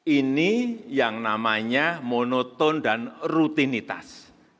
ini yang namanya monoton dan rutinitas